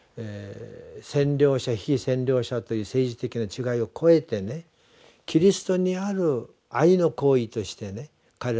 占領者被占領者という政治的な違いを超えてねキリストにある愛の行為としてね彼らの善意が寄せられている。